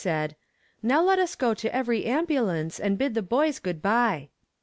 said: "Now let us go to every ambulance and bid the boys good bye."